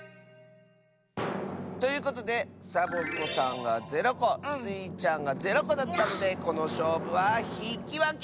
ということでサボ子さんが０こスイちゃんが０こだったのでこのしょうぶはひきわけ！